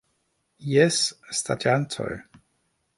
Jes ŝtaĝantoj...